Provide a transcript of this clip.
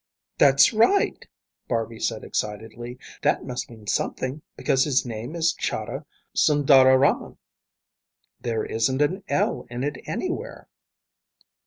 "That's right," Barby said excitedly. "That must mean something, because his name is Chahda Sundararaman. There isn't an L in it anywhere."